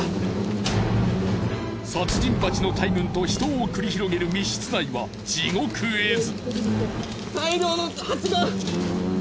殺人バチの大群と死闘を繰り広げる密室内は地獄絵図。